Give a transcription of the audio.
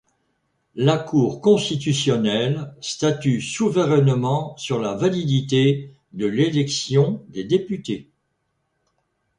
La Cour constitutionnelle statue souverainement sur la validité de l'élection des députés.